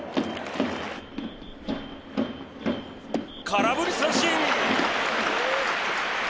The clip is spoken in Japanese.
空振り三振。